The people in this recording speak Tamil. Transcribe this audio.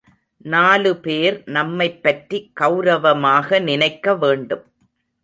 நாலுபேர் நம்மைப்பற்றி கெளரவமாக நினைக்க வேண்டும்.